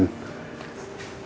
nih kamu bebas